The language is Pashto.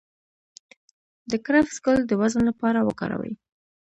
د کرفس ګل د وزن لپاره وکاروئ